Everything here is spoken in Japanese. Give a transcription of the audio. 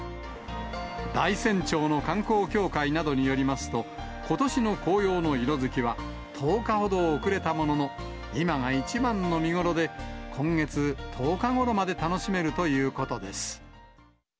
大山町の観光協会などによりますと、ことしの紅葉の色づきは１０日ほど遅れたものの、今が一番の見頃で、今月１０日ごろまで楽しめるということです。